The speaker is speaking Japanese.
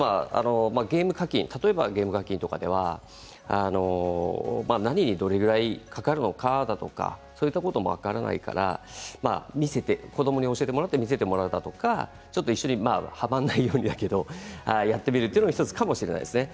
例えば、ゲーム課金では何にどれくらいかかるのかそういうことも分からないから子どもに教えてもらって見せてもらうとか、一緒にはまらないように、だけどやってみるのも１つかもしれないですね。